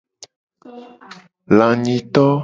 Lanyito.